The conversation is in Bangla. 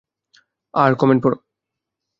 আর কমেন্ট পড়ো।